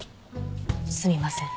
すみません。